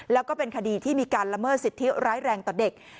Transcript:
แล้วก็เป็นคดีที่มีการละเมิดสิทธิร้ายแรงต่อเด็ก